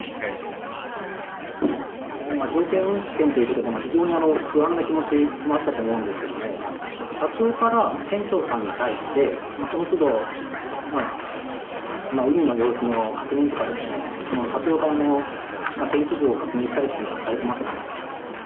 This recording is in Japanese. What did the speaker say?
条件運転ということで、非常に不安な気持ちというのもあったと思うんですけれども、社長から船長さんに対して、そのつど、海の様子の確認とかですね、社長が天気図を確認されたりとかはされてました？